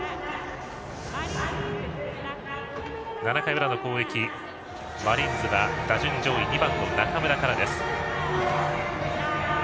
７回裏の攻撃、マリーンズは打順上位、２番の中村からです。